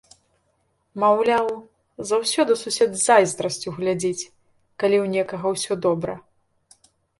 Маўляў, заўсёды сусед з зайздрасцю глядзіць, калі ў некага ўсё добра.